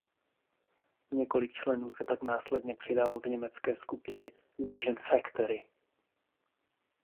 Několik členů se pak následně přidalo k německé skupině Vision Factory.